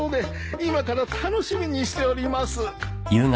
今から楽しみにしております。